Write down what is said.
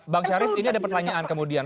bang syarif ini ada pertanyaan kemudian